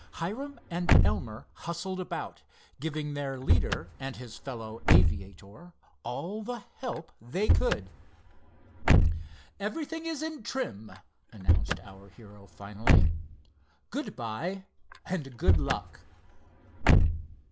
Hiram and Elmer hustled about, giving their leader and his fellow aviator all the help they could. "Everything is in trim," announced our hero, finally. "Good bye and good luck."